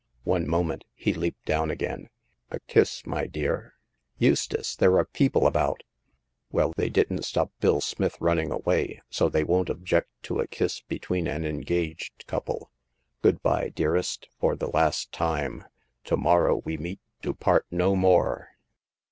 One moment "— he leaped down again —a kiss, my dear." Eustace ! there are people about !" Well, they didn't stop Bill Smith running away, so they won't object to a kiss between an engaged couple. Good by, dearest, for the last time. To morrow w^e meet to part no more."